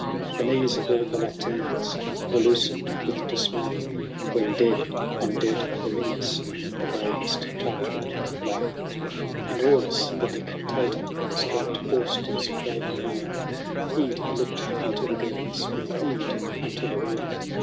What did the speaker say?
The knees of all the Latines "Were loosened with dismay. When dead, on dead Herminius, The bravest Tarquin lay. BATTLE OF THE LAKE REGILLUS. 127 XXXI. And Aulus the Dictator Stroked Auster's raven mane. With heed he looked unto the girths. With heed unto the rein.